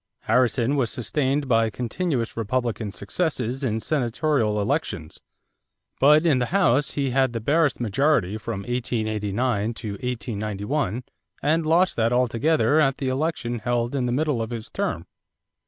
Harrison was sustained by continuous Republican successes in Senatorial elections; but in the House he had the barest majority from 1889 to 1891 and lost that altogether at the election held in the middle of his term.